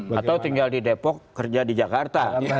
atau tinggal di depok kerja di jakarta